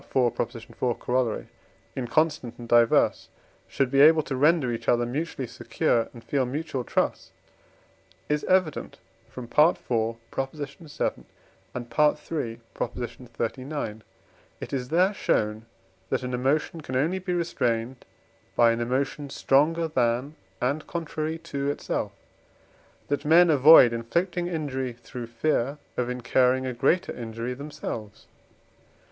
iv. Coroll.), inconstant, and diverse, should be able to render each other mutually secure, and feel mutual trust, is evident from IV. vii. and III. xxxix. It is there shown, that an emotion can only be restrained by an emotion stronger than, and contrary to itself, and that men avoid inflicting injury through fear of incurring a greater injury themselves.